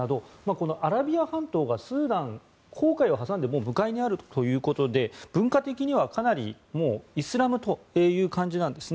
このアラビア半島がスーダン紅海を挟んで向かいにあるということで文化的にはイスラムという感じなんですね。